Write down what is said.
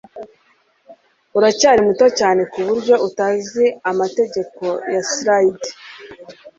Uracyari muto cyane kuburyo utazi amategeko ya slide.